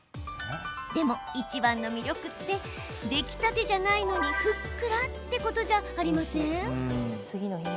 でも、いちばんの魅力って出来たてじゃないのにふっくらってことじゃありません？